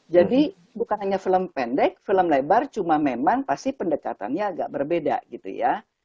jadi bukan hanya film pendek film lebar cuma memang pasti pendekatannya agak berbeda gitu ya